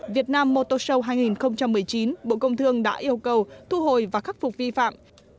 việt nam motor show hai nghìn một mươi chín bộ công thương đã yêu cầu thu hồi và khắc phục vi phạm